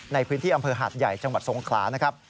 ในพื้นที่อำเภอหาดใหญ่จังหวัดทรงขลานะครับ